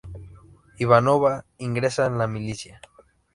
Ivanova ingresa en la Milicia.